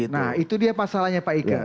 nah itu dia masalahnya pak ika